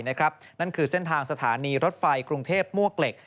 นั่นคือเส้นทางสถานีรถไฟกรุงเทพมวกเหล็ก